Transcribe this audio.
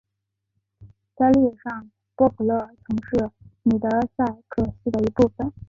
在历史上波普勒曾是米德塞克斯的一部分。